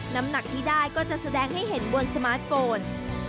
น้ำหนักที่ได้ก็จะแสดงให้เห็นบนสมาร์ทโฟน